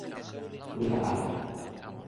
wile ala.